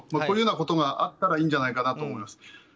このようなことがあったらいいんじゃないかと思います。